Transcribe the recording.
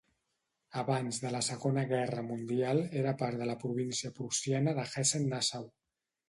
Abans de la Segona Guerra Mundial era part de la província prussiana de Hessen-Nassau.